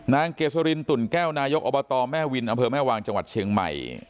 เกษรินตุ่นแก้วนายกอบตแม่วินอำเภอแม่วางจังหวัดเชียงใหม่